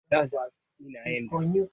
Jirani anajaribu kupika sima.